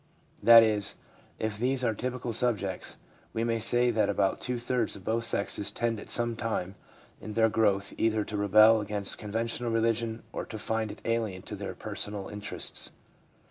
That is, if these are typical subjects, we may say that about two thirds of both sexes tend at some time in their growth either to rebel against conventional religion or to find it alien to their personal interests.